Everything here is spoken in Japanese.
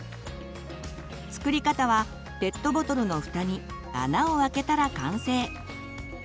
作り方はペットボトルのふたに穴を開けたら完成。